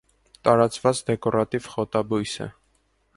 Տարածված դեկորատիվ խոտաբույս է։